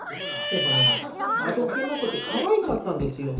やっぱりね、あどけなくて可愛かったんですよ。